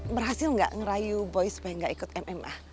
berhasil enggak ngerayu boy supaya enggak ikut mma